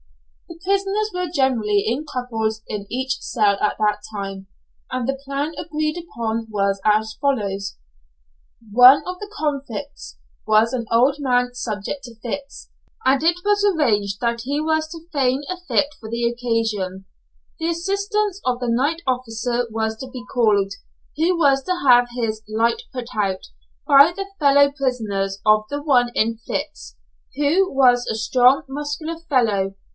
The prisoners were generally in couples in each cell at that time, and the plan agreed upon was as follows: One of the convicts was an old man subject to fits, and it was arranged that he was to feign a fit for the occasion; the assistance of the night officer was to be called, who was to have his "light put out" by the fellow prisoner of the one in fits, who was a strong muscular fellow.